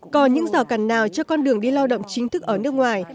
có những dò cằn nào cho con đường đi lao động chính thức ở nước ngoài